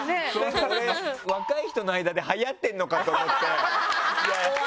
若い人の間ではやってるのかと思って。